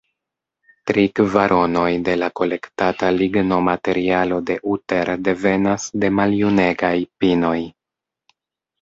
Tri kvaronoj de la kolektata lignomaterialo de Utter devenas de maljunegaj pinoj.